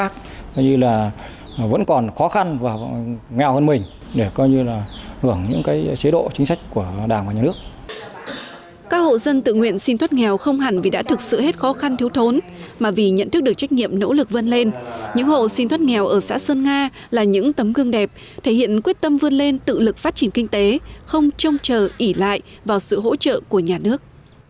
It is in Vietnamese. các hộ dân tự nguyện xin thoát nghèo không hẳn vì đã thực sự hết khó khăn thiếu thốn mà vì nhận thức được trách nhiệm nỗ lực vươn lên những hộ xin thoát nghèo ở xã sơn nga là những tấm gương đẹp thể hiện quyết tâm vươn lên tự lực phát triển kinh tế không trông chờ ỉ lại vào sự hỗ trợ của nhà nước